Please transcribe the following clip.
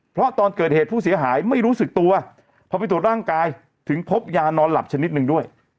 เพราะตอนเกิดเหตุผู้เสียหายไม่รู้สึกตัวพอไปตรวจร่างกายถึงพบยานอนหลับชนิดหนึ่งด้วย